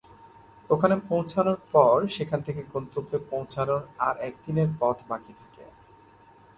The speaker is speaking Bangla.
ওখানে পৌঁছানোর পর সেখান থেকে গন্তব্যে পৌঁছানোর আর এক দিনের পথ বাকি থাকে।